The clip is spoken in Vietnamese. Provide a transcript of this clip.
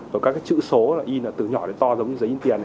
và các chữ số in từ nhỏ đến to giống như giấy in tiền